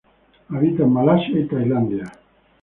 Habita en Malasia y Tailandia.